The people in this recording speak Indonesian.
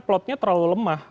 plotnya terlalu lemah